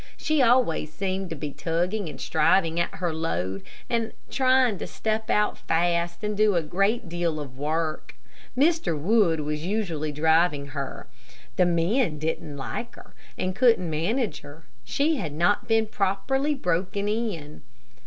She always seemed to be tugging and striving at her load, and trying to step out fast and do a great deal of work. Mr. Wood was usually driving her. The men didn't like her, and couldn't manage her. She had not been properly broken in.